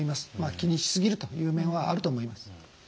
気にし過ぎるという面はあると思います。